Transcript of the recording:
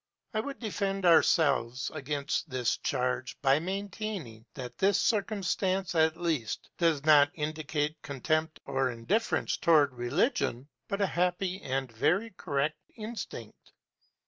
I would defend ourselves against this charge by maintaining that this circumstance, at least, does not indicate contempt or indifference toward religion, but a happy and very correct instinct.